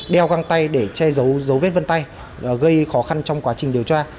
đeo găng tay để che giấu dấu vết vân tay gây khó khăn trong quá trình điều tra